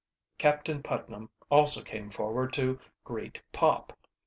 Captain Putnam also came forward to greet Pop.